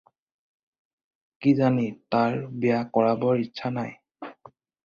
কিজানি তাৰ বিয়া কৰাবৰ ইচ্ছা নাই।